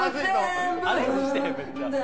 アレンジしてへん？